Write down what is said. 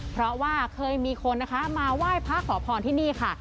เพราะว่าเคยมีคนนะคะมาไหว้พระขอพรที่นี่ค่ะ